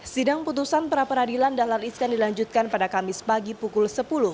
sidang putusan pra peradilan dahlan iskan dilanjutkan pada kamis pagi pukul sepuluh